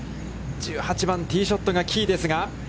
１８番ティーショットがキーですが。